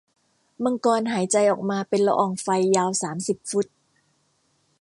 มังกรหายใจออกมาเป็นละอองไฟยาวสามสิบฟุต